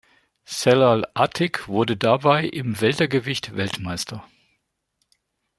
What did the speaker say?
Celal Atik wurde dabei im Weltergewicht Weltmeister.